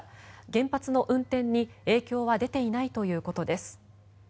原発の運転に影響は出ていないということです。